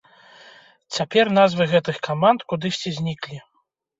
Цяпер назвы гэтых каманд кудысьці зніклі.